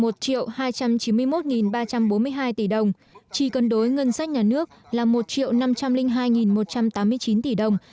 một hai trăm chín mươi một ba trăm bốn mươi hai tỷ đồng chi cân đối ngân sách nhà nước là một năm trăm linh hai một trăm tám mươi chín tỷ đồng